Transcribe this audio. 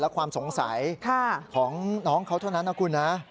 และความสงสัยของน้องเขาเท่านั้นนะคุณนะ